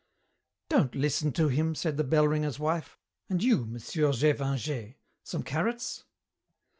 "Don't listen to him," said the bell ringer's wife. "And you, Monsieur Gévingey, some carrots?"